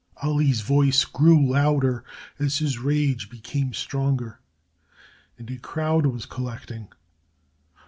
Ali's voice grew louder as his rage became stronger and a crowd was collecting.